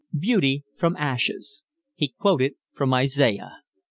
Beauty from ashes, he quoted from Isaiah.